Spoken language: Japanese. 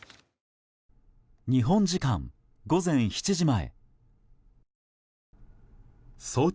日本時間午前７時前。